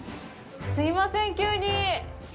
すいません、急に。